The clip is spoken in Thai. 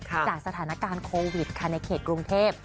จากสถานการณ์โควิดค่ะในเขตกรุงเทพ